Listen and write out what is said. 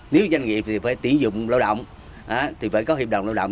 nếu doanh nghiệp thì phải tỉ dụng lao động thì phải có hiệp đồng lao động